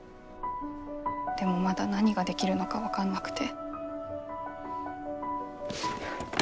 でもまだ何ができるのか分かんなくて。